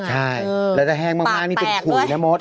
ใช่แล้วจะแห้งมากนี่เป็นขุยนะมด